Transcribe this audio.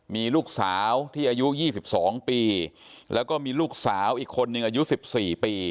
มีลูกสาวที่อายุยี่สิบสองปีแล้วก็มีลูกสาวอีกคนนึงอายุสิบสี่ปี